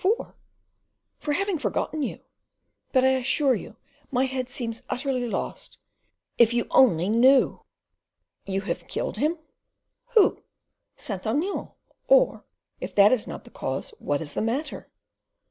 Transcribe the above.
"For having forgotten you. But I assure you my head seems utterly lost. If you only knew!" "You have killed him?" "Who?" "Saint Aignan; or, if that is not the case, what is the matter?"